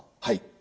はい。